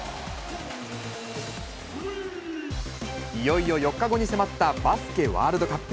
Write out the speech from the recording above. いよいよ４日後に迫ったバスケワールドカップ。